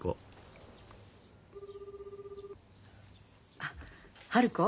☎あっ春子？